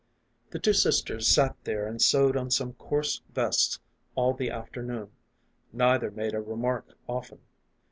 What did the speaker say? The two sisters sat there and sewed on some coarse vests all the afternoon. Neither made a remark often.